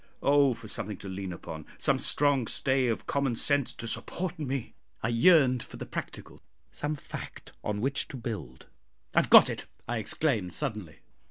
Oh for something to lean upon some strong stay of common sense to support me! I yearned for the practical some fact on which to build. "I have got it," I exclaimed suddenly.